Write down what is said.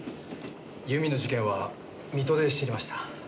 由美の事件は水戸で知りました。